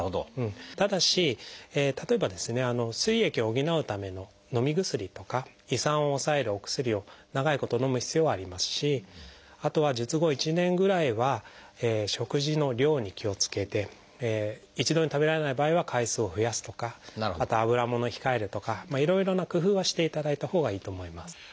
ただし例えば膵液を補うためののみ薬とか胃酸を抑えるお薬を長いことのむ必要はありますしあとは術後１年ぐらいは食事の量に気をつけて一度に食べられない場合は回数を増やすとかあとはあぶらものを控えるとかいろいろな工夫はしていただいたほうがいいと思います。